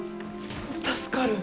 助かる！